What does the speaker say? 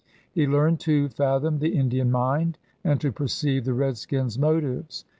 He learned to fathom the Indian mind and to perceive the redskin's motives.